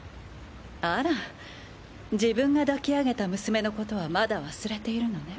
あら自分が抱きあげた娘のことはまだ忘れているのね